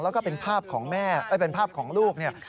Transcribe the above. แล้วก็เป็นภาพของลูกเนี่ย